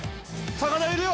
魚、いるよ！